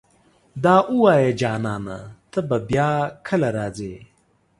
دا اووايه جانانه ته به بيا کله راځې